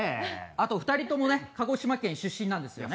あと２人ともね鹿児島県出身なんですよね